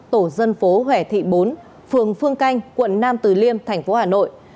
tổ dân phố hẻ thị bốn phường phương canh quận nam từ liêm thành phố hà nội